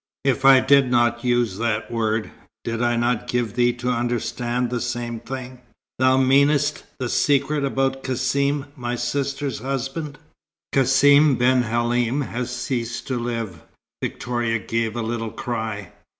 "If I did not use that word, did I not give thee to understand the same thing?" "Thou meanest, the secret about Cassim, my sister's husband?" "Cassim ben Halim has ceased to live." Victoria gave a little cry.